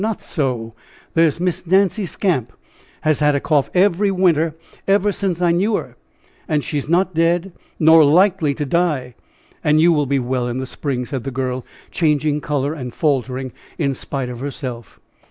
Not so! There's Miss Nancy Skamp has had a cough every winter ever since I knew her, and she's not dead nor likely to die, and you will be well in the spring," said the girl, changing color; and faltering in spite of herself.